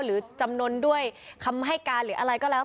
หรือจำนวนด้วยคำให้การหรืออะไรก็แล้ว